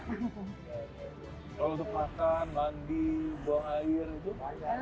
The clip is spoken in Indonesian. kalau untuk makan mandi buang air itu